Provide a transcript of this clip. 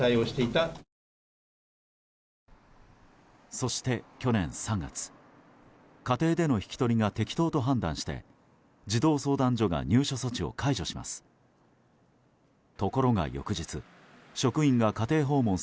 そして去年３月家庭での引き取りが適当と判断して児童相談所が入所措置を解除します。